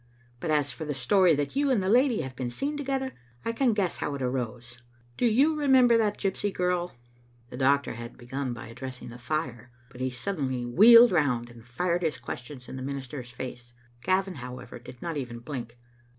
But as for the story that you and the lady have been seen together, I can guess how it arose. Do you remember that gypsy girl?" The doctor had begun by addressing the fire, but he suddenly wheeled round and fired his question in the minister's face. Gavin, however, did not even blink.